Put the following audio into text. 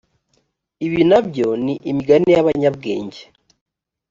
ibi na byo ni imigani y’abanyabwenge